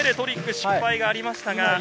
２つめでトリック失敗がありました。